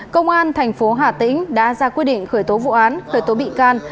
công an thành phố hà tĩnh đã ra quyết định khởi tố vụ án khởi tố bị can